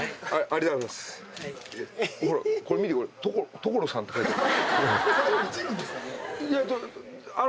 これ見て「所さん」って書いてる。